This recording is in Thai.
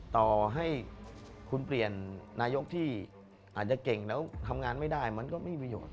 ต่อให้คุณเปลี่ยนนายกที่อาจจะเก่งแล้วทำงานไม่ได้มันก็ไม่มีประโยชน์